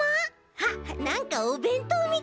あっなんかおべんとうみたい。